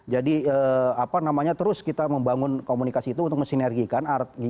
jadi apa namanya terus kita membangun komunikasi itu untuk mesinergikan